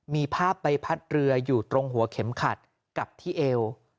มีภาพใบพัดเรืออยู่ตรงหัวเข็มขัดกับที่เอว